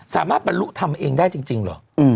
สามารถบรรลุทำเองได้จริงเหรอ